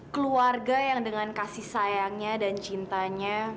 keluarga yang dengan kasih sayangnya dan cintanya